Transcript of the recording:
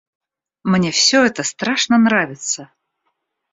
Мне всё это страшно нравится!